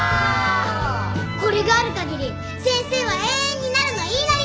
これがあるかぎり先生は永遠になるの言いなり！